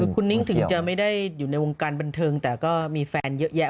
คุณนิ้งถึงจะไม่ได้อยู่ในวงการบันเทิงแต่ก็มีแฟนเยอะแยะ